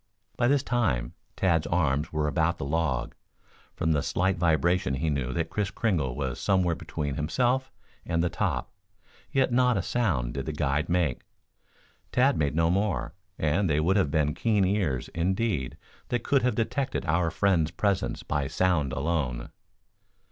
By this time, Tad's arms were about the log. From the slight vibration he knew that Kris Kringle was somewhere between himself and the top, yet not a sound did the guide make. Tad made no more, and they would have been keen ears, indeed, that could have detected our friends' presence by sound alone.